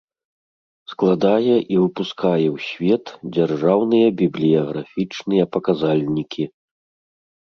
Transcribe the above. Складае i выпускае ў свет дзяржаўныя бiблiяграфiчныя паказальнiкi.